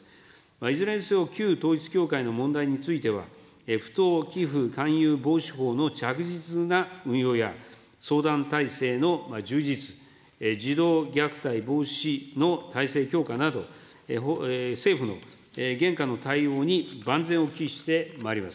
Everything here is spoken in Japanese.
いずれにせよ、旧統一教会の問題については、不当寄付勧誘防止法の着実な運用や、相談体制の充実、児童虐待防止の体制強化など、政府の現下の対応に万全を期してまいります。